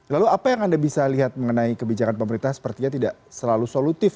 lalu apa yang anda bisa lihat mengenai kebijakan pemerintah sepertinya tidak selalu solutif